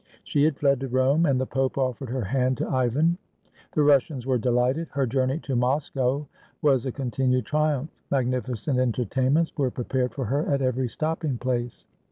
She had fled to Rome, and the Pope offered her hand to Ivan. The Russians were delighted. Her journey to Moscow was a continued triumph. Magnificent entertainments were pre pared for her at every stopping place.